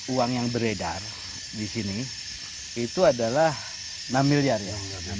uang yang beredar di sini itu adalah enam miliar ya